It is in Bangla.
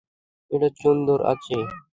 এটা সুন্দর আছে!